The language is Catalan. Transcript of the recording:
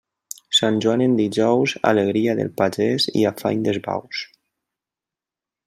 Sant Joan en dijous, alegria del pagès i afany dels bous.